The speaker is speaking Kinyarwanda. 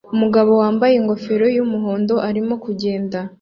Umugabo wambaye ingofero yumuhondo arimo kugenda